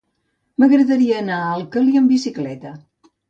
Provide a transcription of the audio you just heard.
M'agradaria anar a Alcalalí amb bicicleta.